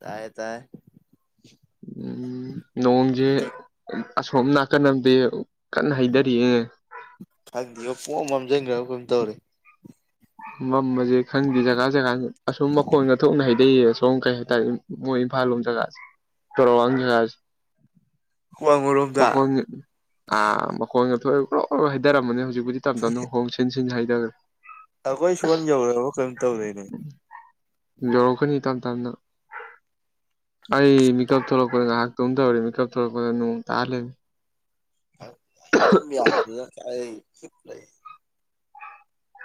ꯇꯥꯏ ꯇꯥꯏ꯫ ꯎꯝ ꯅꯣꯡꯁꯦ ꯑꯁꯣꯝ ꯅꯥꯀꯟ ꯑꯃꯗꯤ ꯀꯟꯅ ꯍꯩꯊꯔꯤꯑ꯫ ꯈꯪꯗꯦ ꯄꯣꯡꯃꯥꯝ ꯃꯝꯁꯤꯟꯈ꯭ꯔꯕ ꯀꯩꯝ ꯇꯧꯔꯦ꯫ ꯃꯝꯕꯁꯦ ꯈꯪꯗꯦ ꯖꯒꯥ ꯖꯒꯥ ꯑꯁꯨꯝ ꯃꯈꯣꯟꯒ ꯊꯣꯛꯅ ꯍꯥꯏ꯫ ꯑꯗꯩ ꯁꯣꯝ ꯀꯩ ꯍꯥꯏꯇꯥꯔꯦ ꯃꯣꯏ ꯏꯝꯐꯥꯜ ꯂꯣꯝ ꯖꯒꯥꯁꯦ ꯆꯥꯎꯣꯔꯋꯥꯡ ꯖꯒꯥꯁꯦ꯫ ꯋꯥꯡꯃꯔꯣꯝꯗ ꯃꯈꯣꯟ ꯑꯥ ꯃꯈꯣꯟꯒ ꯊꯣꯛꯑ ꯂꯣꯏ ꯍꯩꯊꯔꯝꯃꯅꯦ ꯍꯧꯖꯤꯛꯄꯨꯗꯤ꯫ ꯇꯠꯇꯞꯗꯅ ꯍꯣꯡ ꯁꯤꯟ ꯁꯤꯟ ꯍꯩꯗꯒ꯭ꯔꯦ꯫ ꯑꯩꯈꯣꯏ ꯁꯣꯟ ꯌꯧꯔꯔꯕ ꯀꯩꯅꯝ ꯇꯧꯗꯣꯏꯅꯦ꯫ ꯌꯧꯔꯛꯀꯅꯤ ꯇꯞ ꯇꯞꯅ ꯑꯩ ꯃꯦꯀꯞ ꯊꯣꯛꯂꯛꯄꯗ ꯉꯥꯏꯍꯥꯛꯇꯣꯝ ꯇꯧꯔꯦ ꯃꯦꯀꯞ ꯊꯣꯛꯂꯛꯄꯗ ꯅꯅꯨꯡ ꯇꯥꯍꯜꯂꯅꯤ ꯑꯗꯨꯝ ꯌꯥꯗꯅ ꯑꯩ ꯂꯩ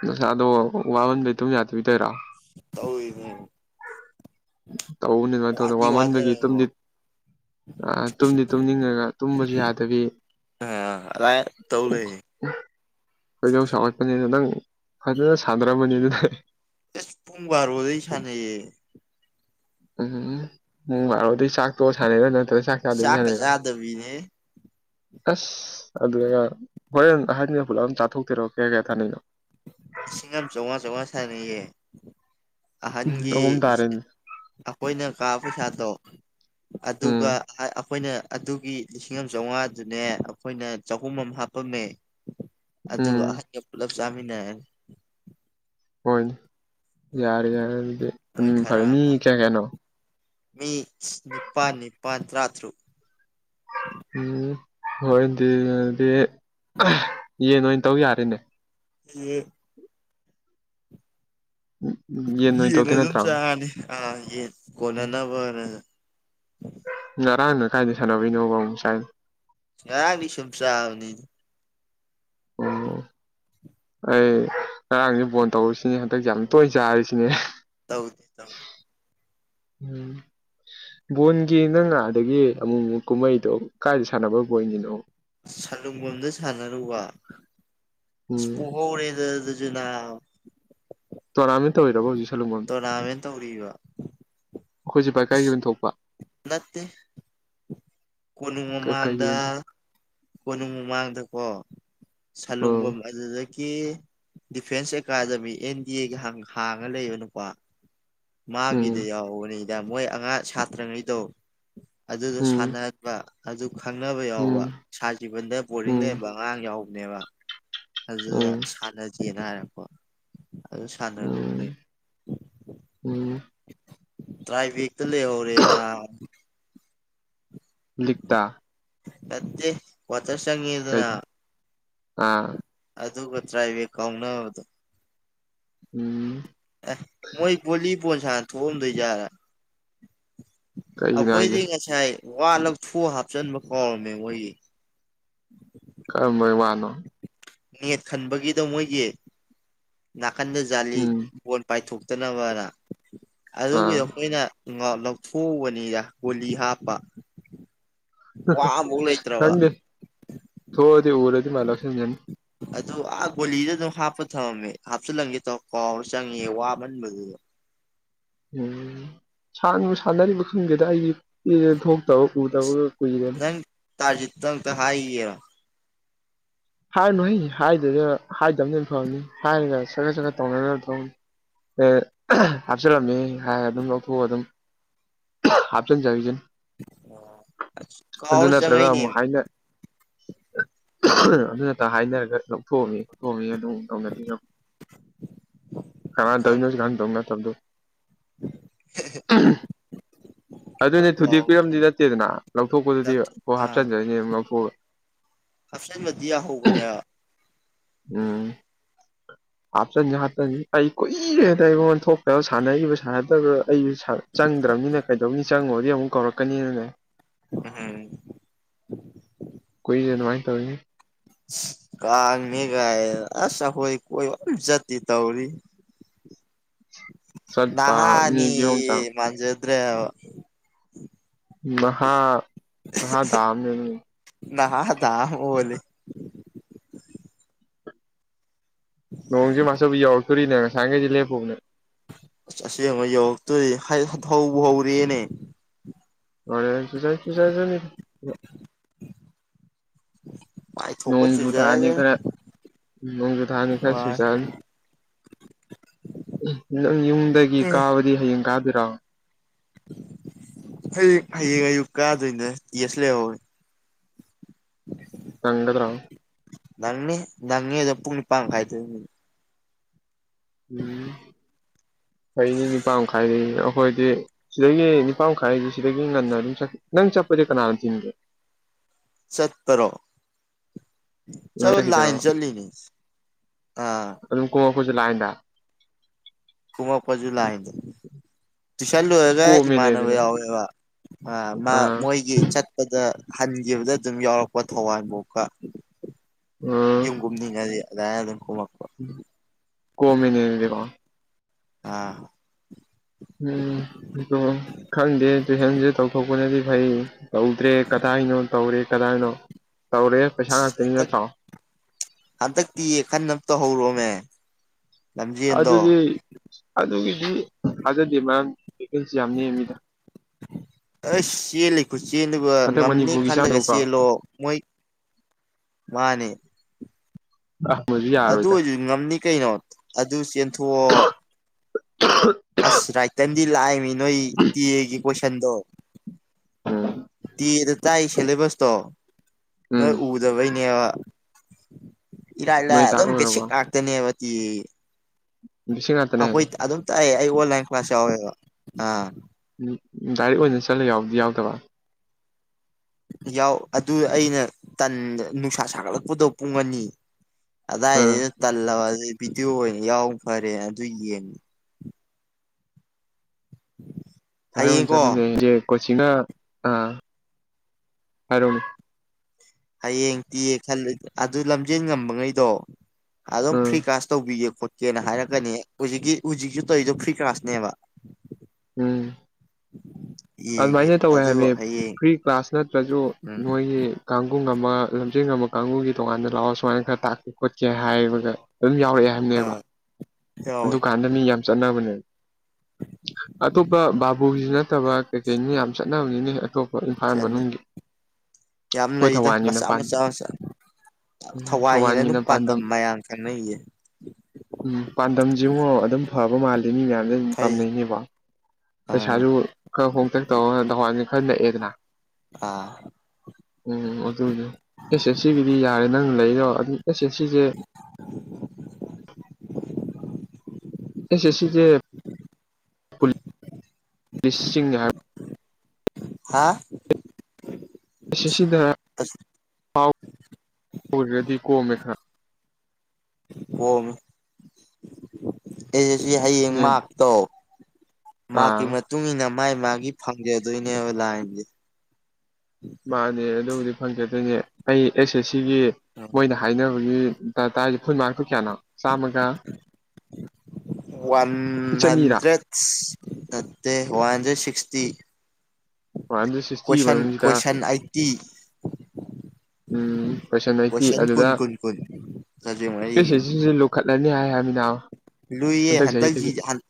ꯅꯁꯥꯗꯣ ꯋꯥꯃꯟꯗꯤꯩ ꯑꯗꯨꯝ ꯌꯥꯗꯕꯤꯗꯣꯏꯔꯣ ꯇꯧꯅꯦ ꯇꯧꯕꯅꯤ ꯑꯗꯨꯃꯥꯏꯅ ꯇꯧꯗꯅ ꯋꯥꯃꯟꯗꯒꯤ ꯇꯨꯝꯗꯤ ꯑ ꯇꯨꯝꯗꯤ ꯇꯨꯝꯅꯤꯡꯉꯒ ꯇꯨꯝꯕꯁꯨ ꯌꯥꯗꯕꯤ ꯑꯥ ꯑꯥꯏ ꯇꯧ ꯂꯩꯌꯦ ꯈꯣꯏꯗꯧ ꯆꯥꯎꯒꯠꯄꯅꯤꯅ ꯅꯪ ꯐꯖꯅ ꯁꯥꯟꯅꯔꯝꯕꯅꯤ ꯑꯗꯨ ꯅ ꯑꯦꯁ ꯄꯨꯡꯕꯥꯔꯣꯗꯩ ꯁꯥꯟꯅꯌꯦ ꯎꯝ ꯎꯝ ꯍꯥꯏꯔꯑꯣ ꯑꯗꯨꯩ ꯆꯥꯛꯇꯣ ꯁꯥꯟꯅꯩꯔꯣ ꯅꯠꯇ꯭ꯔ ꯆꯥꯛ ꯆꯥꯗꯗꯤ ꯆꯥꯛꯀ ꯁꯥꯟꯅꯩꯔꯑꯣ ꯆꯥꯗꯕꯤꯅꯦ ꯑꯁ ꯑꯗꯨꯒ ꯍꯣꯏꯪ ꯑꯍꯥꯟꯕꯅ ꯄꯨꯂꯞ ꯑꯗꯨꯝ ꯆꯥꯊꯣꯛꯇꯔꯣꯑꯣ ꯀꯌꯥ ꯀꯌꯥ ꯊꯥꯅꯅꯣ ꯂꯤꯁꯤꯡ ꯑꯃ ꯆꯥꯝꯃꯉꯥ ꯆꯥꯝꯃꯉꯥ ꯁꯥꯟꯅꯩꯌꯦ ꯎꯝ ꯑꯍꯟꯒꯤ ꯑꯍꯨꯝ ꯇꯥꯔꯦꯅꯦ ꯑꯩꯈꯣꯏꯅ ꯀꯥ ꯄꯩꯁꯥꯗꯣ ꯑꯗꯨꯒ ꯎꯝ ꯑꯩꯈꯣꯏꯅ ꯑꯗꯨꯒꯤ ꯂꯤꯁꯤꯡ ꯑꯃ ꯆꯥꯝꯃꯉꯥꯗꯨꯅꯦ ꯑꯩꯈꯣꯏꯅ ꯆꯍꯨꯝ ꯑꯃ ꯍꯥꯞꯄꯝꯃꯦ [inaudible] ꯑꯗꯨꯒꯥ ꯑꯍꯟꯒ ꯄꯨꯂꯞ ꯆꯃꯤꯅꯔꯥꯅꯤ ꯍꯣꯏ ꯌꯥꯔꯦ ꯍꯥꯏꯔꯅꯤ ꯃꯣꯏ ꯈꯔ ꯑꯃ ꯃꯤ ꯅꯤꯄꯥꯜ ꯅꯤꯄꯥꯜ ꯇꯔꯥꯇꯔꯨꯛ ꯎꯝ ꯍꯣꯔꯦꯟꯗꯤ ꯑꯗꯨꯗꯤ ꯌꯦꯟ ꯑꯣꯏꯅ ꯇꯧ ꯌꯥꯔꯦꯅꯦ ꯌꯦ ꯑꯣꯏꯅ ꯌꯦꯟ ꯇꯧꯗꯣꯏ ꯑꯗꯨꯝ ꯅꯠꯇ꯭ꯔꯣ ꯆꯥꯔꯥꯅꯤ ꯑꯥ ꯌꯦꯟ ꯀꯣꯟꯅꯅꯕꯅ ꯉꯔꯥꯡꯅ ꯀꯥꯏꯗ ꯁꯥꯟꯅꯕꯩꯅꯣꯕ ꯑꯃꯨꯛ ꯆꯥꯏꯗꯨ ꯉꯔꯪꯗꯤ ꯁꯨꯝ ꯆꯥꯕꯅꯤ ꯑꯣ ꯑꯩ ꯉꯔꯥꯡꯁꯦ ꯕꯣꯟ ꯇꯧꯔꯨꯁꯤꯅꯦ ꯍꯟꯗꯛꯁꯦ ꯌꯥꯝ ꯇꯣꯏꯅ ꯆꯥꯔꯤꯁꯤꯅꯦ ꯇꯧꯗꯤ ꯇꯧ ꯎꯝ ꯕꯣꯟꯒꯤ ꯅꯪ ꯉ ꯑꯗꯒꯤ ꯑꯃꯨꯃꯨꯛ ꯀꯨꯝꯍꯩꯗꯣ ꯀꯗꯥꯥꯏꯗ ꯁꯥꯟꯅꯕ ꯕꯣꯟꯒꯤꯅꯣ ꯁꯂꯨꯡꯕꯝꯗ ꯁꯥꯟꯅꯔꯨꯕ ꯑ ꯎꯝ ꯄꯣꯛꯍꯧꯔꯦꯗ ꯑꯗꯨꯁꯨ ꯅꯥꯕꯥ ꯇꯣꯔꯅꯥꯃꯦꯟ ꯇꯧꯔꯤꯔꯕꯣ ꯍꯧꯖꯤꯛ ꯁꯂꯨꯡꯕꯝ ꯗꯥ ꯇꯣꯔꯅꯥꯃꯦꯟ ꯇꯧꯔꯤꯕ ꯑꯩꯈꯣꯏꯖꯤꯦ ꯄꯥꯏꯀꯥꯏ ꯑꯁ ꯌꯣꯟꯊꯣꯛꯄ [unintelligible] ꯅꯠꯇꯦ ꯀꯣꯅꯨꯡ ꯃꯃꯥꯡꯗ ꯀꯣꯅꯨꯡ ꯃꯃꯥꯡꯗꯀꯣ ꯎꯝ ꯁꯂꯨꯡꯕꯝ ꯑꯗꯨꯗꯩꯩ ꯀꯦ ꯗꯤꯐꯦꯟꯁ ꯑꯦꯀꯥꯗꯃꯤ ꯑꯦꯟ ꯗꯤ ꯑꯦꯒꯤ ꯍꯥꯡ ꯍꯥꯡꯉ ꯂꯩꯕ ꯅꯨꯄꯥ ꯎꯝ ꯃꯥꯒꯤꯗ ꯌꯥꯎꯕꯅꯤꯗ ꯃꯣꯏ ꯑꯉꯥꯡ ꯁꯥꯇ꯭ꯔꯉꯩꯗꯣ ꯑꯗꯨꯗꯥ ꯎꯝ ꯁꯥꯟꯅꯥ ꯕꯥ ꯑꯗꯨ ꯈꯪꯅꯕ ꯌꯥꯎꯕ ꯎꯝ ꯁꯥꯔ ꯖꯤꯕꯟꯗ ꯕꯣꯔꯗꯤꯡ ꯎꯝ ꯂꯩꯔꯝꯕ ꯑꯉꯥꯡ ꯌꯥꯎꯕꯅꯦꯕ ꯎꯝ ꯑꯗꯨꯅꯥ ꯁꯥꯟꯅꯖꯦꯅꯥ ꯍꯥꯏꯔꯛꯄꯥ ꯑꯗꯨ ꯁꯥꯟꯅꯔꯨꯝꯅꯦ ꯎꯝ ꯎꯝ ꯇ꯭ꯔꯥꯏꯕꯦꯛ ꯇ ꯂꯩꯍꯧꯔꯦ ꯅꯕꯥ ꯂꯤꯛꯇꯥ ꯅꯠꯇꯦ ꯀꯋꯥꯇꯔ ꯆꯪꯉꯦꯗꯅ ꯀꯩꯗ ꯑꯥ ꯑꯗꯨꯒ ꯇ꯭ꯔꯥꯥꯏꯕꯦꯛ ꯀꯥꯎꯅꯕꯗꯣ ꯎꯝ ꯑꯦ ꯃꯣꯏ ꯕꯣꯂꯤꯕꯣꯟ ꯁꯥꯟꯅꯥ ꯊꯣꯛꯑꯝꯗꯣꯏꯖꯥꯔꯥ ꯀꯩꯒꯤꯅꯣ ꯍꯥꯏꯁꯦ ꯑꯩꯈꯣꯏꯗꯤ ꯉꯁꯥꯏ ꯋꯥ ꯂꯧꯊꯣꯛꯑꯒ ꯍꯥꯞꯆꯟꯕ ꯀꯥꯎꯔꯝꯃꯦ ꯃꯣꯏꯒꯤ ꯀꯔꯝꯕꯩ ꯋꯥꯅꯣ ꯅꯦꯠ ꯈꯟꯕꯒꯤꯗꯣ ꯃꯣꯏꯒꯤ ꯅꯥꯀꯟꯗ ꯖꯥꯂꯤ ꯎꯝ ꯕꯣꯟ ꯄꯥꯏꯊꯣꯛꯇꯅꯕꯅ ꯑꯥ ꯑꯗꯨꯒꯤꯗꯣ ꯑꯩꯈꯣꯏꯅ ꯉꯥꯛ ꯂꯧꯊꯣꯛꯎꯕꯅꯤꯗ ꯄꯣꯂꯤ ꯍꯥꯞꯄ ꯋꯥ ꯑꯃꯐꯥꯎ ꯂꯩꯇ꯭ꯔꯕ ꯈꯪꯗꯦ ꯊꯣꯛꯑꯗꯤ ꯎꯔꯥꯗꯤ ꯃꯥꯏꯅꯥ ꯂꯧꯁꯤꯟꯖꯅꯤ ꯑꯗꯨ ꯑꯥ ꯒꯣꯂꯤꯗ ꯑꯗꯨꯝ ꯍꯥꯞꯄ ꯊꯃꯝꯃꯦ ꯍꯥꯞꯆꯤꯜꯂꯝꯒꯦ ꯇꯧꯔꯥ ꯀꯥꯎꯔꯥ ꯆꯪꯉꯦ ꯋꯥꯃꯟꯕꯗꯨꯗ ꯎꯝ ꯁꯥꯟꯕꯨ ꯁꯥꯟꯅꯔꯤꯕ ꯈꯪꯗꯦꯗ ꯑꯩꯒꯤꯀꯨꯏꯔꯦ ꯊꯣꯛꯇꯕ ꯎꯗꯕꯒ ꯀꯨꯏꯔꯦ ꯅꯪ ꯇꯥꯔꯖꯤꯠꯇꯥ ꯑꯝꯇ ꯍꯥꯏꯒꯤꯒꯦꯔꯣ ꯍꯥꯏꯅꯨꯍꯩ ꯍꯥꯏꯗꯨꯗ ꯍꯥꯏꯗꯝꯅꯍꯦꯟꯅꯥ ꯐꯕꯥꯅꯤ ꯍꯥꯏꯔꯒ ꯆꯥꯒꯠ ꯆꯥꯒꯠ ꯇꯧꯅꯅꯕ ꯊꯕꯛꯅꯤ ꯍꯥꯞꯆꯤꯜꯂꯝꯃꯤ ꯍꯥꯏ ꯑꯗꯨꯝ ꯂꯧꯊꯣꯛꯑ ꯑꯗꯨꯝ ꯍꯥꯞꯆꯤꯟꯖꯒꯤ ꯖꯅꯤ ꯑꯁ ꯑꯗꯨ ꯀꯥꯎꯔ ꯅꯠꯇ꯭ꯔꯒ ꯑꯃꯨꯛ ꯆꯪꯉꯛꯏꯅꯦꯃꯤ ꯍꯥꯏꯅ ꯑꯗꯨꯅꯠꯇ ꯍꯥꯏꯅꯔꯒ ꯂꯧꯊꯣꯛꯑꯝꯃꯤ ꯂꯧꯊꯣꯛ ꯇꯧꯅꯗꯤ ꯌꯦꯡꯉꯨ ꯀꯅꯥꯅꯥ ꯇꯧꯔꯤꯅꯣ ꯀꯩꯁꯨ ꯈꯪꯗꯦ ꯀꯅꯥꯗꯣ ꯅꯠꯇꯕꯗꯣ ꯍꯦ ꯍꯦ [inaudible] ꯑꯗꯨꯅꯦ ꯊꯨꯗꯦꯛ ꯄꯤꯔꯝꯗꯤ ꯅꯠꯇꯦꯗꯅ ꯂꯧꯊꯣꯛꯄꯗꯨꯗꯤ ꯀꯣꯛ ꯑꯥ ꯍꯥꯞꯆꯤꯟꯖꯔꯅꯤ ꯑꯗꯨꯝ ꯂꯧꯊꯣꯛꯑꯒ ꯍꯥꯞꯆꯤꯟꯕꯗꯤ ꯌꯥꯍꯧꯕꯅꯦ ꯎꯝ ꯍꯥꯞꯆꯟꯁꯤ ꯍꯥꯞꯆꯟꯁꯤ ꯑꯩ ꯀꯨꯏꯔꯦꯗ ꯑꯩꯉꯣꯟ ꯊꯣꯛꯄꯒ ꯁꯥꯟꯅꯈꯤꯕ ꯁꯥꯟꯅꯗꯕ ꯑꯩ ꯆꯪꯗ꯭ꯔꯕꯅꯤꯅ ꯀꯩꯗꯧꯅꯤ ꯆꯪꯉꯨꯔꯗꯤ ꯑꯃꯨꯛ ꯀꯧꯔꯛꯀꯅꯤꯅꯅꯦ ꯎ ꯍꯝ ꯀꯣꯏ ꯑꯗꯨꯃꯥꯏ ꯇꯧ ꯀꯥꯥꯟ ꯃꯒ ꯑꯁ ꯍꯣꯏ ꯀꯣꯏ ꯑꯣꯖ ꯇꯧꯔꯤ ꯆꯠꯄ ꯍꯥꯅꯤ ꯃꯤꯒꯤ ꯑꯍꯨꯝ ꯆꯥꯡ ꯃꯖꯗ꯭ꯔꯦ ꯃꯍꯥ ꯃ ꯝꯅꯤ ꯅ ꯊꯣꯅꯤ ꯅꯣꯡꯖꯦ ꯃꯥꯁꯨꯕꯨ ꯌꯥꯎꯔꯛꯇꯣꯔꯤꯅꯦ ꯉꯁꯥꯡꯈꯩꯁꯦ ꯂꯦꯞꯄꯧꯅꯦ ꯑꯁꯦꯡ ꯑꯃꯉ ꯌꯧꯔꯛꯇꯣꯏꯗꯤ ꯍꯧꯕ ꯍꯧꯔꯦꯅꯦ ꯍꯔꯖꯥꯏꯁꯨꯨ ꯆꯥꯏꯖꯅꯤ ꯃꯥꯏ ꯊꯣꯛꯄ ꯅꯣꯡꯖꯨ ꯊꯥꯅꯤ ꯆꯨꯖꯔꯖꯅꯤ ꯈꯔ ꯎ ꯅꯣꯡꯖꯨ ꯊꯥꯅꯤ ꯈꯔ ꯋꯥꯏ ꯁꯨꯏꯖꯔꯅꯤ ꯅꯪ ꯌꯨꯝꯗꯒꯤ ꯀꯥꯕꯗꯤ ꯍꯌꯦꯡ ꯀꯥꯗꯣꯏꯔꯥ ꯍꯌꯦꯡ ꯍꯌꯦꯡ ꯑꯌꯨꯛ ꯀꯥꯗꯣꯏꯅꯦ ꯌꯦꯁ ꯂꯩꯍꯧꯋꯦ ꯇꯪꯒꯠ ꯔꯥꯎ ꯅꯪꯅꯤ ꯅꯪꯅꯤꯗ ꯄꯨꯡ ꯅꯤꯄꯥꯟ ꯃꯈꯥꯏꯗ ꯎꯝ ꯍꯩꯅꯤ ꯅꯤꯄꯥꯥꯟ ꯃꯈꯥꯏꯗꯅꯦ ꯑꯩꯈꯣꯏꯗꯤ ꯁꯤꯗꯒꯤ ꯅꯤꯄꯥꯥꯟ ꯃꯈꯥꯏꯁꯤ ꯁꯤꯗꯒꯤ ꯉꯟꯅ ꯑꯗꯨꯝ ꯆꯠꯈꯤ ꯅꯪ ꯆꯠꯄꯁ ꯀꯅꯥꯅ ꯊꯤꯟꯒꯦ ꯆꯠꯄꯔꯣ ꯅꯪ ꯆꯂ ꯆꯠꯈꯤꯗꯣꯏꯔꯣ ꯂꯥꯏꯟ ꯆꯂꯤꯅꯤ ꯑꯥ ꯑꯗꯨꯝ ꯀꯣꯡꯉ ꯀꯣꯏꯁꯨ ꯂꯑꯟꯗ ꯀꯃꯄꯖ ꯂ ꯍꯥꯏꯗ ꯇꯨꯁꯜꯂꯨꯔꯒ ꯀꯣꯝꯃꯦꯅꯦ ꯏꯃꯥꯟꯅꯕ ꯑꯗꯨꯅ ꯌꯥꯎꯋꯦꯕ ꯑ ꯑꯥ ꯃꯣꯏꯒꯤ ꯗ ꯍꯟꯈꯤꯕꯗ ꯑꯗꯨꯝ ꯌꯥꯎꯔꯛꯄ ꯊꯧꯋꯥꯟꯐꯥꯎꯀ ꯎꯝ ꯀꯨꯝꯅꯤꯉꯗꯤ ꯑ ꯑꯗꯨꯝ ꯀꯃ ꯀꯣꯃꯤꯅꯤꯅꯤꯗꯀ ꯑꯥ ꯎꯝ ꯈꯪꯗꯦ ꯇꯨꯍꯦꯟꯁꯦ ꯇꯧꯊꯣꯛꯄꯅꯗꯤ ꯐꯩ ꯇꯧꯗ꯭ꯔꯦ ꯀꯗꯥꯏꯅꯣ ꯇꯧꯔꯦ ꯀꯗꯥꯏꯅꯣ ꯇꯧꯔꯦ ꯄꯩꯁꯥ ꯉꯥꯛꯇꯅꯤ ꯍꯟꯇꯛ ꯅꯠꯇ꯭ꯔꯣ ꯍꯟꯗꯛꯇꯤ ꯈꯟꯅ ꯇꯧꯍꯧꯔꯣꯅꯦ ꯑꯗꯨꯗꯤ ꯑꯗꯨꯒꯤꯗꯤ ꯊꯥꯖꯗꯦ ꯃꯌꯥꯝ ꯦꯟꯁꯤ ꯌꯥꯝꯅꯤ ꯃꯤꯗ ꯑꯁ ꯆꯦꯜꯂꯤꯀꯣ ꯆꯦꯟꯗꯨ ꯍꯟꯗꯛ ꯉꯝꯅꯤ ꯃꯅꯤꯄꯨꯔꯒꯤ ꯈꯜꯂꯒ ꯆꯥꯅꯕꯀꯣ ꯆꯦꯜꯂꯣ ꯃꯣꯏ ꯃꯥꯅꯤ ꯑꯍ ꯃꯁꯨ ꯌꯥꯔꯣꯏꯗ ꯑꯣꯏꯔꯁꯨ ꯉꯝꯅꯤ ꯀꯩꯅꯣ ꯑꯗꯨ ꯆꯦꯟꯊꯣꯛꯑꯣ ꯑꯁ ꯔꯥꯏꯇꯔꯟꯗꯤ ꯂꯥꯛꯏꯃꯤ ꯅꯣꯏ ꯇꯤ ꯑꯦꯒꯤ ꯀꯣꯏꯁꯟꯗꯣ ꯎꯝ ꯇꯦꯗ ꯇꯥꯏ ꯁꯦꯂꯦꯕꯁꯇꯣ ꯅꯣꯏ ꯎꯝ ꯎꯗꯕꯩꯅꯦꯕ ꯏꯂ ꯏꯂ ꯅꯣꯏ ꯇꯥꯛ ꯑꯗꯨꯣꯝ ꯕꯁꯤꯛ ꯂꯣꯏꯔꯕꯣ ꯍꯥꯥꯛꯇꯅꯦ ꯑꯕꯇꯤ ꯁꯤ ꯉꯥꯛꯇꯅꯦ ꯑꯩꯈꯣꯏ ꯑꯗꯨꯝ ꯇꯥꯛꯑꯦ ꯑꯩ ꯑꯣꯟꯂꯥꯏꯟ ꯀ꯭ꯂꯥꯁ ꯌꯥꯎꯋꯦꯕ ꯑ ꯝ ꯗꯥꯏꯔꯦꯛ ꯑꯣꯏꯅ ꯆꯠꯂ ꯌꯥꯎꯗꯤ ꯌꯥꯎꯗꯕ ꯌꯥꯎ ꯑꯗꯨ ꯑꯩꯅ ꯇꯟ ꯅꯨꯡꯁꯥ ꯁꯥꯒꯠꯂꯛꯄꯗꯣ ꯄꯨꯡ ꯑꯅꯤ ꯑꯗꯥꯏꯗ ꯑꯥ ꯑꯩꯅ ꯇꯜꯂꯕ ꯑꯗꯨ ꯚꯗꯤꯑꯣ ꯑꯣꯏꯅ ꯌꯥꯎ ꯐꯔꯦ ꯑꯗꯨ ꯌꯦꯡꯉ ꯊ ꯍꯌꯦꯡꯀꯣ ꯁꯔ ꯌꯦ ꯀꯣꯁꯤꯅ ꯑ ꯍꯥꯏꯔ ꯍꯌꯦꯡ ꯇꯤ ꯈꯜꯂ ꯑꯗꯨ ꯂꯝꯖꯦꯟ ꯉꯝꯕ ꯉꯩꯗꯣ ꯑꯗꯨꯝ ꯎꯝ ꯐ꯭ꯔꯤꯀꯥꯁ ꯇꯧꯕꯤꯒꯦ ꯀꯦꯅ ꯍꯥꯏꯔꯛꯀꯅꯤ ꯍꯧꯖꯤꯛꯀꯤ ꯍꯧꯖꯤꯛꯁꯨ ꯇꯧꯔꯤꯗꯣ ꯐ꯭ꯔꯤ ꯀ꯭ꯂꯥꯁꯅꯦꯕ ꯎꯝ ꯎꯝ ꯑꯗꯨꯃꯥꯏꯅ ꯇꯧꯋꯦ ꯍꯥꯏꯕꯗꯤ ꯐ꯭ꯔꯤ ꯀ꯭ꯂꯥꯁ ꯅꯠꯇ꯭ꯔꯁꯨ ꯎꯝ ꯃꯣꯏꯒꯤ ꯀꯥꯡꯒ ꯑꯃ ꯂꯝꯖꯦꯟ ꯑꯃ ꯀꯥꯡꯒꯒꯤ ꯇꯣꯉꯥꯟꯗ ꯂꯥꯛꯑꯣ ꯁꯨꯃꯥꯏꯅ ꯈꯔ ꯇꯥꯛꯀꯦ ꯈꯣꯠꯀꯦ ꯍꯥꯏꯕꯒ ꯑꯗꯨꯝ ꯌꯥꯎꯔꯛꯑꯦ ꯍꯥꯏꯕꯅꯦꯕ ꯑꯥ ꯑꯗꯨ ꯌꯥꯎꯋꯦ ꯀꯥꯟꯗ ꯃꯤ ꯌꯥꯝ ꯆꯠꯅꯕꯅꯦ ꯑꯇꯣꯞꯄ ꯕꯥꯕꯨꯒꯤꯁꯨ ꯅꯠꯇꯕ ꯀꯩꯀꯩꯅꯤ ꯌꯥꯝ ꯆꯠꯅꯕꯒꯤꯅꯦ ꯑꯇꯣꯞꯄ ꯏꯝꯐꯥꯜ ꯆꯠꯅꯤ ꯃꯅꯨꯡꯒꯤ ꯌꯥꯝ ꯑꯩꯈꯣꯏ ꯂꯩꯗ ꯊꯧꯕꯥꯜꯒꯤꯅ ꯃꯆꯥ ꯄꯥꯟ ꯃꯆꯥ ꯃꯆꯥ ꯎꯝ ꯊꯋꯥꯏꯅꯤꯅ ꯑꯗꯨꯝ ꯊꯧꯕꯥꯜꯒꯤꯅ ꯄꯥꯟꯗꯝ ꯃꯌꯥꯝ ꯈꯪꯅꯩꯌꯦ ꯎꯝ ꯄꯥꯟꯗꯝꯁꯤꯨꯉꯣ ꯑꯗꯨꯝ ꯐꯕ ꯃꯥꯜꯂꯤ ꯃꯤ ꯃꯌꯥꯝꯁ ꯑꯗꯨꯝ ꯐꯩ ꯇꯝꯅꯩꯅꯦꯕ ꯑꯥ ꯄꯩꯁꯥꯁꯨ ꯈꯔ ꯍꯣꯡꯆ ꯇꯧꯔ ꯋꯥꯟꯁ ꯈꯔ ꯂꯛꯑꯦꯗꯅ ꯑꯥ ꯎꯝ ꯑꯗꯨꯅꯦ ꯑꯦꯁ ꯑꯦꯟ ꯁꯤꯒꯤꯗꯤ ꯌꯥꯔꯦ ꯅꯪꯅ ꯂꯩꯔꯣ ꯑꯗꯨ ꯑꯦꯁ ꯑꯦꯟ ꯁꯤꯁꯦ [unintelligible] ꯑꯦꯁꯦ ꯁꯤꯁꯦ [unintelligible] ꯂꯤꯁꯤꯡ ꯍꯥꯏ ꯍꯥꯥ ꯑꯁꯤꯁꯤꯗ ꯑꯁ ꯀꯒꯔꯦꯗꯤ ꯀꯣꯝ ꯈ ꯍ ꯑꯩ ꯁꯤ ꯍꯌꯦꯡ ꯈꯔ ꯃꯥꯥꯛꯛꯇꯣ ꯃꯥꯔꯀꯤ ꯃꯇꯨꯡ ꯏ ꯑꯥ ꯃꯇꯨꯡꯏꯟꯅ ꯃꯥꯥꯏ ꯃꯥꯒꯤ ꯐꯪꯖꯗꯣꯏꯅꯦꯕ ꯂꯥꯏꯟꯁꯦ ꯃꯥꯅꯦ ꯑꯗꯨꯕꯨꯗꯤ ꯐꯪꯖꯗꯣꯏꯅꯦ ꯑꯩ ꯑꯦꯁ ꯑꯦꯁ ꯁꯤꯒꯤ ꯃꯣꯏꯅ ꯍꯥꯏꯅꯕ ꯑꯩꯈꯣꯏꯒꯤ ꯇꯥꯔꯁꯦ ꯈꯨꯨꯟ ꯃꯔꯛꯇ ꯀꯌꯥꯅꯣ ꯆꯥꯝꯃꯒ ꯋꯥꯟ ꯆꯅꯤꯔꯥ ꯍꯟꯗ꯭ꯔꯦꯠ ꯅꯠꯇꯦ ꯋꯥꯟ ꯍꯟꯗ꯭ꯔꯦꯠ ꯁꯤꯛꯁꯇꯤ ꯍꯗ ꯀꯣꯏꯁꯟ ꯀꯣꯏꯁꯟ ꯑꯩꯠꯇꯤ ꯎꯝ ꯀꯣꯏꯁꯟ ꯅꯥꯇꯤ ꯀꯨꯟ ꯑꯗꯨꯗ ꯀꯨꯟ ꯀꯨꯟ ꯁꯕꯖꯦꯛ ꯃꯔꯤ ꯁꯤ ꯈꯠꯂꯅꯤ ꯍꯥꯏꯃꯤꯅꯥꯎ ꯂꯨꯏꯌꯦ ꯍꯟꯗꯛ ꯍꯟꯛ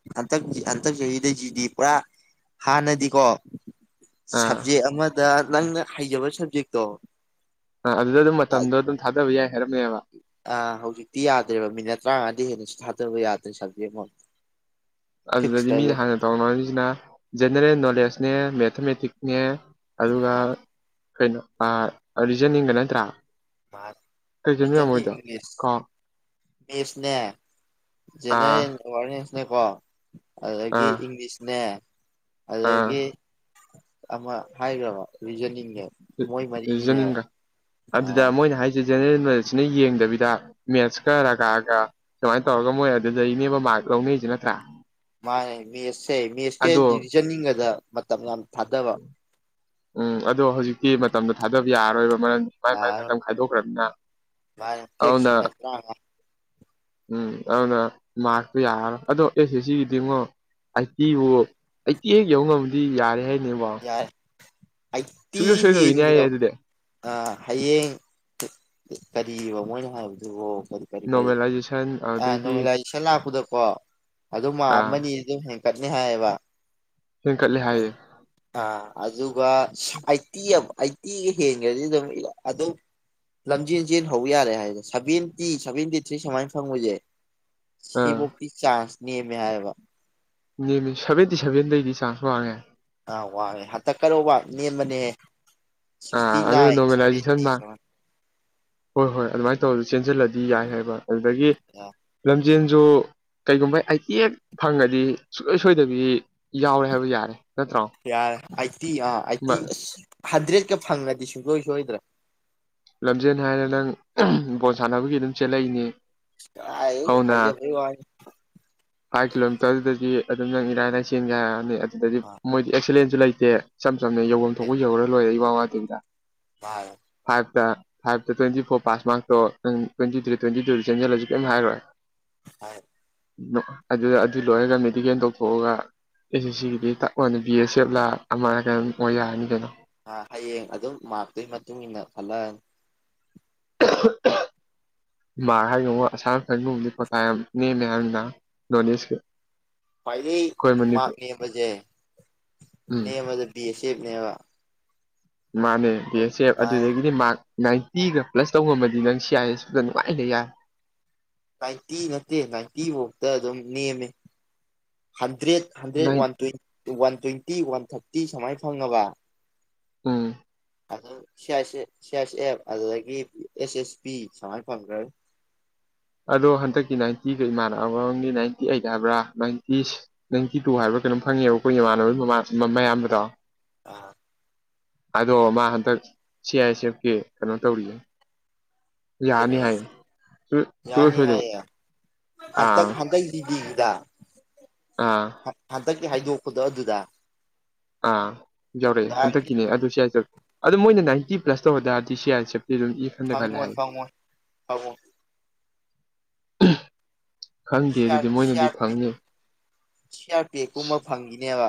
ꯍꯟꯇꯛ ꯆꯍꯤꯗꯁꯤꯗꯤ ꯄꯨꯔꯥ ꯍꯥꯟꯅꯗꯤꯀꯣ ꯑꯥ ꯁꯕꯖꯦꯛ ꯑꯃꯗ ꯅꯪꯅ ꯍꯩꯖꯕ ꯁꯕꯖꯦꯛꯇꯣ ꯑ ꯑꯗꯨꯗ ꯑꯗꯨꯝ ꯃꯇꯝꯗꯣ ꯑꯗꯨꯝ ꯊꯥꯗꯕ ꯌꯥꯏ ꯍꯥꯏꯔꯝꯃꯦꯕ ꯑ ꯍꯧꯖꯤꯛꯇꯤ ꯌꯥꯗ꯭ꯔꯦꯕ ꯃꯤꯅꯠ ꯇꯔꯥꯃꯉꯥꯗꯤ ꯍꯦꯟꯅ ꯊꯥꯗꯕ ꯌꯥꯗ꯭ꯔꯦ ꯁꯕꯖꯦꯛ ꯑꯃꯝ ꯑꯗꯨꯗꯗꯤ ꯃꯤꯅ ꯍꯥꯟꯅ ꯇꯧꯔ ꯃꯃꯤꯁꯤꯅ ꯖꯦꯅꯦꯔꯦꯜ ꯅꯣꯂꯦꯖꯅꯦ ꯃꯦꯊꯃꯦꯇꯤꯛꯅꯦ ꯑꯗꯨꯒ ꯀꯩꯅꯣ ꯔꯤꯖꯟꯅꯤꯡꯒ ꯅꯠꯇ꯭ꯔꯥ ꯀꯩꯖꯟ ꯃꯣꯏꯗ ꯀ ꯃꯦꯁꯅꯦ ꯑꯥ ꯖꯦꯅꯔꯦꯜ ꯑꯦꯋꯥꯔꯅꯦꯁꯅꯦ ꯀꯣ ꯑꯗꯒꯤ ꯑꯥ ꯏꯪꯂꯤꯁꯅꯦ ꯑꯥ ꯑꯗꯒꯤ ꯑꯃ ꯍꯥꯏꯈ꯭ꯔꯕ ꯔꯤꯖꯅꯤꯡꯅꯦ ꯃꯣꯏ ꯃꯔꯤꯒꯤꯅꯦꯕ ꯔꯤꯖꯅꯤꯡꯒ ꯑꯗꯨꯗ ꯃꯣꯏꯅ ꯍꯥꯏ ꯁꯤ ꯖꯦꯅꯔꯦꯜ ꯅꯣꯂꯦꯖꯁꯤꯅ ꯌꯦꯡꯗꯕꯤꯗ ꯃꯦꯠꯁꯀ ꯔꯒꯥꯒ ꯁꯨꯃꯥꯏꯅ ꯇꯧꯔꯒ ꯃꯣꯏ ꯑꯗꯨꯗꯩꯅꯦꯕ ꯃꯥꯔꯛ ꯂꯧꯅꯩꯁꯦ ꯅꯠꯇ꯭ꯔꯥ ꯃꯥꯅꯦ ꯃꯦꯠꯁꯁꯦ ꯃꯦꯠꯁꯀ ꯑꯗꯣ ꯔꯤꯖꯅꯤꯡꯒꯗ ꯃꯇꯝ ꯌꯥꯝ ꯊꯥꯗꯕ ꯎꯝ ꯑꯗꯣ ꯍꯧꯖꯤꯛꯇꯤ ꯃꯇꯝꯗꯣ ꯊꯥꯗꯕ ꯌꯥꯔꯔꯣꯏꯕ ꯃꯔꯝꯗꯤ ꯃꯥꯏ ꯃꯥꯏ ꯌꯥꯔꯔꯣꯏ ꯃꯇꯝ ꯈꯥꯏꯗꯣꯛꯈ꯭ꯔꯕꯅꯤꯅ ꯚꯥꯏ ꯇꯦꯛꯁ ꯑꯗꯨꯅ ꯃꯤꯅꯠ ꯇꯔꯥꯃꯉꯥ ꯎꯝ ꯑꯗꯨꯅ ꯃꯥꯔꯛꯇꯣ ꯌꯥꯔꯔꯣ ꯑꯗꯣ ꯑꯦꯁ ꯑꯦꯁ ꯁꯤꯒꯤꯗꯤꯡꯉꯣ ꯑꯩꯠꯇꯤꯕꯨ ꯑꯩꯠꯇꯤ ꯍꯦꯛ ꯌꯧ ꯉꯝꯗꯤ ꯌꯥꯔꯦ ꯍꯥꯏꯅꯦꯕꯣ ꯑꯩꯠꯇꯤ ꯁꯨꯡꯁꯣꯏ ꯁꯣꯏꯗꯕꯤꯅꯤ ꯍꯦꯟꯒ ꯍꯥꯏꯌꯦ [unintelligible] ꯑꯗꯨꯗꯤ ꯑ ꯍꯌꯦꯡ ꯀꯔꯤꯕ ꯃꯣꯏꯅ ꯍꯥꯏꯕꯗꯨꯕꯣ ꯀꯔꯤ ꯀꯔꯤ ꯅꯣꯔꯃꯦꯂꯥꯏꯖꯦꯁꯟ ꯑ ꯑꯗꯨꯗꯩꯗꯤ ꯅꯣꯃꯦꯂꯥꯏꯖꯦꯁꯟ ꯂꯥꯛꯄꯗꯀꯣ ꯑꯗꯨꯝ ꯃꯥꯛ ꯑꯥ ꯑꯃꯅꯤ ꯗꯤ ꯑꯗꯨꯝ ꯍꯦꯟꯀꯠꯅꯤ ꯍꯥꯏꯌꯦꯕ ꯍꯦꯟꯀꯠꯂꯦ ꯍꯥꯏꯌꯦ ꯑ ꯑꯗꯨꯒ ꯑꯩꯠꯇꯤ ꯑꯃ ꯑꯩꯠꯇꯤꯒ ꯍꯦꯟꯈ꯭ꯔꯗꯤ ꯑꯗꯨꯝ ꯑꯗꯨ ꯂꯝꯖꯦꯟ ꯆꯦꯟ ꯍꯧꯕ ꯌꯥꯔꯦ ꯍꯥꯏꯗ ꯁꯚꯦꯟꯇꯤ ꯁꯚꯦꯟꯇꯤ ꯊ꯭ꯔꯤ ꯁꯨꯃꯥꯏꯅ ꯐꯪꯕꯁꯦ ꯑꯥ ꯁꯤꯕꯣꯛꯇꯤ ꯆꯥꯟꯁ ꯅꯦꯝꯃꯦ ꯍꯥꯏꯕ ꯅꯦꯝꯃꯤ ꯁꯚꯦꯟꯇꯤ ꯁꯚꯦꯟꯗꯩꯗꯤ ꯆꯥꯟꯁ ꯋꯥꯡꯉꯦ ꯑ ꯋꯥꯡꯉꯦ ꯍꯟꯇꯛ ꯀꯠ ꯑꯣꯐ ꯋꯥ ꯅꯦꯝꯕꯅꯦ ꯑꯥ ꯁꯤꯛꯁꯇꯤ ꯑꯗꯨꯅ ꯅꯥꯏꯟ ꯅꯣꯔꯃꯦꯂꯥꯏꯖꯦꯁꯟ ꯁꯚꯦꯟꯇꯤ ꯃꯥ ꯍꯣꯏ ꯍꯣꯏ ꯑꯗꯨꯃꯥꯏꯅ ꯇꯧꯔꯁꯨ ꯆꯦꯟꯁꯤꯜꯂꯗꯤ ꯌꯥꯏ ꯍꯥꯏꯕ ꯑꯗꯨꯗꯒꯤ ꯑꯥ ꯂꯝꯖꯦꯟꯁꯨ ꯀꯩꯒꯨꯝꯕ ꯑꯩꯇꯤ ꯍꯦꯛ ꯐꯪꯉꯗꯤ ꯁꯨꯡꯁꯣꯏ ꯁꯣꯏꯗꯕꯤ ꯌꯥꯎꯔꯦ ꯍꯥꯏꯕ ꯌꯥꯔꯦ ꯅꯠꯇ꯭ꯔꯣ ꯌꯥꯔꯦ ꯑꯩꯠꯇꯤ ꯑꯥ ꯑꯩꯠꯇꯤ ꯑꯁ ꯍꯟꯗ꯭ꯔꯦꯗꯀ ꯐꯪꯉꯗꯤ ꯁꯨꯡꯁꯣꯏ ꯁꯣꯏꯗ꯭ꯔꯦ ꯂꯝꯖꯦꯟ ꯍꯥꯏꯔ ꯅꯪ ꯕꯣꯜ ꯁꯥꯟꯅꯕꯒꯤ ꯑꯗꯨꯝ ꯆꯦꯜꯂꯛꯏꯅꯦ ꯥꯑꯁ ꯀꯥꯏ ꯍꯥꯏꯖꯕꯩ ꯋꯥꯅꯦ ꯐꯥꯏꯚ ꯀꯤꯂꯣꯃꯤꯇꯔꯗꯨꯗꯗꯤ ꯑꯗꯨꯝ ꯅꯪ ꯏꯔꯥꯏ ꯂꯥꯏ ꯆꯦꯟꯒꯦ ꯍꯥꯏꯛꯑꯅꯤ ꯑꯗꯨꯗꯗꯤ ꯃꯥꯔꯛ ꯃꯣꯏꯗꯤ ꯑꯦꯛꯁꯂꯦꯟꯁꯨ ꯂꯩꯇꯦ ꯏꯆꯝ ꯆꯝꯅ ꯌꯧꯐꯝ ꯂꯩꯇꯦ ꯊꯣꯛꯄ ꯌꯧꯔ ꯂꯣꯏꯔꯦ ꯏꯋꯥ ꯋꯥꯗꯕꯤꯗ [unintelligible] ꯐꯥꯏꯚꯇ ꯐꯥꯏꯚꯇ ꯇ꯭ꯋꯦꯟꯇꯤ ꯐꯣꯔ ꯄꯥꯁ ꯃꯥꯔꯇꯣ ꯅꯪ ꯇ꯭ꯋꯦꯟꯇꯤ ꯊ꯭ꯔꯤ ꯇ꯭ꯋꯦꯟꯇꯤ ꯇꯨꯗ ꯆꯦꯟꯁꯤꯜꯂꯁꯨ ꯀꯔꯤꯝ ꯍꯥꯏꯔꯣꯏ [inaudible] [unintelligible] ꯑꯗꯨꯗ ꯑꯗꯨ ꯂꯣꯏꯔꯒ ꯃꯦꯗꯤꯀꯦꯜ ꯇꯧꯊꯣꯛꯑꯒ ꯑꯩꯁꯦ ꯁꯤꯒꯤꯗꯤ ꯇꯛ ꯂꯥꯎꯅ ꯕꯤ ꯑꯦꯁ ꯑꯦꯐ ꯂꯥ ꯑꯃꯔ ꯀꯩꯅꯣꯝ ꯑꯣꯏ ꯌꯥꯔꯅꯤ ꯀꯩꯅꯣ ꯑꯥ ꯍꯌꯦꯡ ꯑꯗꯨꯝ ꯃꯥꯔꯛꯇꯨꯒꯤ ꯃꯇꯨꯡ ꯏꯟꯅ ꯈꯜꯂꯛꯑꯅꯤ [unintelligible] ꯃꯥꯔꯛ ꯍꯥꯏꯔꯒꯉꯣ ꯑꯁꯥꯝ ꯔꯥꯏꯐꯟ ꯒꯨꯝꯕꯗꯤ ꯀꯣꯇꯥ ꯌꯥꯝ ꯅꯦꯝꯃꯦ ꯍꯥꯏꯕꯅꯤꯅꯥ ꯅꯣꯔꯠ ꯏꯁꯀꯤ ꯈ꯭ꯋꯥꯏꯗꯩ ꯑꯩꯈꯣꯏ ꯃꯥꯔꯛ ꯃꯅꯤꯄꯨꯔ ꯅꯦꯝꯕꯁꯦ ꯎꯝ ꯅꯦꯝꯕꯁꯦ ꯕꯤ ꯑꯦꯁ ꯑꯦꯐꯅꯦꯕ ꯃꯥꯅꯦ ꯕꯤ ꯑꯦꯁ ꯁꯤ ꯑꯦꯐ ꯃꯥꯅꯦ ꯑꯗꯨꯗꯒꯤꯗꯤ ꯃꯥꯔꯛ ꯅꯥꯏꯟꯇꯤꯒ ꯄ꯭ꯂꯁ ꯇꯧ ꯉꯝꯃꯗꯤ ꯅꯪ ꯁꯤ ꯑꯦꯁ ꯇꯨꯗꯅ ꯅꯨꯡꯉꯥꯏꯅ ꯂꯩ ꯌꯥ ꯅꯥꯏꯟꯇꯤ ꯅꯠꯇꯦ ꯅꯥꯏꯟꯇꯤ ꯐꯧꯇ ꯑꯗꯨꯝ ꯅꯦꯝꯃꯦ hundred hundred nine one ꯇ꯭ꯋꯦꯟ one twenty one thirty ꯁꯨꯃꯥꯏꯅ ꯐꯪꯉꯕ ꯎꯝ ꯑꯗꯨꯝ ꯁꯤ ꯑꯥꯏ ꯑꯦꯁꯦ ꯁꯤ ꯑꯥꯏ ꯑꯦꯏ ꯑꯦꯞ ꯑꯗꯨꯗꯒꯤ ꯑꯦꯁ ꯑꯦꯁ ꯕꯤ ꯁꯨꯃꯥꯏꯅ ꯐꯪꯈ꯭ꯔꯅꯤ ꯑꯗꯣ ꯍꯟꯗꯛꯀꯤ ꯅꯥꯏꯟꯇꯤꯒ ꯏꯃꯥꯟꯅꯕ ꯑꯃꯒꯤ ꯅꯥꯏꯟꯇꯤ ꯑꯩꯠ ꯍꯥꯏꯕ꯭ꯔꯥ ꯅꯥꯏꯟꯇꯤꯁ ꯅꯥꯏꯟꯇꯤ ꯇꯨ ꯍꯥꯏꯕ꯭ꯔ ꯀꯩꯅꯣ ꯐꯪꯉꯦꯕ ꯑꯩꯈꯣꯏ ꯏꯃꯥꯟꯅꯕꯒꯤꯃ ꯃꯌꯥꯝꯕꯗꯣ ꯑ ꯑꯗꯣ ꯃꯥ ꯍꯟꯗꯛ ꯁꯤ ꯑꯥꯏ ꯑꯦꯁ ꯑꯦꯐꯀꯤ ꯀꯩꯅꯣ ꯇꯧꯔꯤꯌꯦ ꯌꯥꯅꯤ ꯍꯥꯏ ꯁꯨ ꯁꯨꯡꯁꯣꯏ ꯌꯥꯅꯤ ꯁꯣꯏꯗꯕꯤ ꯑꯥ ꯇꯤꯗꯤꯕꯤꯗ ꯑꯥ ꯍꯟꯗꯛꯀꯤ ꯍꯥꯏꯗꯣꯛꯄꯗꯣ ꯑꯗꯨꯗ ꯑꯥ ꯌꯥꯎꯔꯛꯑꯦ ꯍꯟꯗꯛꯀꯤꯅꯦ ꯑꯗꯨꯁꯨ ꯍꯥꯏꯁꯠ ꯑꯗꯨꯝ ꯃꯣꯏꯅ ꯅꯥꯏꯟꯇꯤ꯭ꯂ ꯇꯧꯧꯕ ꯇꯥꯔꯗꯤ ꯁꯤ ꯑꯥꯥꯏ ꯑꯦꯐꯤ ꯑꯗꯨꯝ ꯏ ꯈꯟꯗ ꯈꯜꯂꯦ ꯐꯪꯣꯏ ꯍꯥꯏ ꯐꯪꯣꯏ ꯐꯕꯣ ꯈꯪꯗꯦ ꯑꯗꯨꯗꯤ ꯃꯣꯏꯅꯗꯤ ꯁꯤꯌꯥꯔ ꯄꯤ ꯐꯪꯅꯤ ꯁꯤꯌꯥꯔ ꯄꯤ ꯀꯨꯝꯕ ꯐꯪꯈꯤꯅꯦꯕ